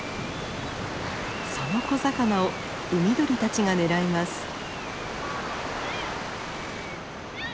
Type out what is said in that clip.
その小魚を海鳥たちが狙います。